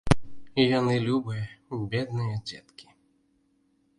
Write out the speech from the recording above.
Яны любыя, бедныя дзеткі.